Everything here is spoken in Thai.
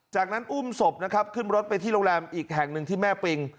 จากนั้นอุ้มศพนะครับขึ้นรถไปที่โรงแรมอีกแห่งหนึ่งที่แม่ปิง